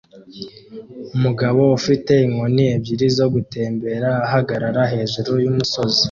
Umugabo ufite inkoni ebyiri zo gutembera ahagarara hejuru yumusozi